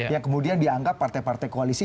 yang kemudian dianggap partai partai koalisi